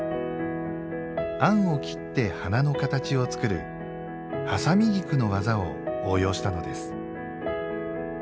餡を切って花の形をつくる「はさみ菊」の技を応用したのです。